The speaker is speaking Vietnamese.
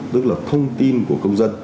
tức là thông tin của công dân